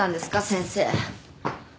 先生。